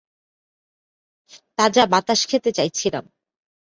তাজা বাতাস খেতে চাইছিলাম।